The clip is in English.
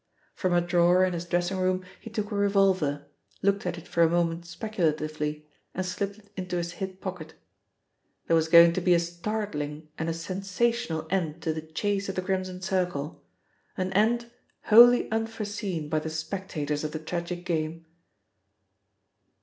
From a drawer in his dressing room he took a revolver, looked at it for a moment speculatively, and slipped it into his hip pocket. There was going to be a startling and a sensational end to the chase of the Crimson Circle, an end wholly unforeseen by the spectators of the tragic game.